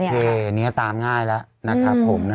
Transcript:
โอเคเนี่ยตามง่ายแล้วนะครับผม